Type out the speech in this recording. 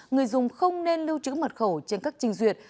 người dùng không nên lưu trữ mật khẩu trên các trình duyệt